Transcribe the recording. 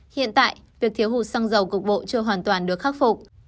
hiện tại việc thiếu hụt xăng dầu cục bộ chưa hoàn toàn được khắc phục